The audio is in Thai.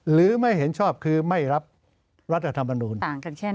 หรือไม่เห็นชอบคือไม่รับรัฐมนูล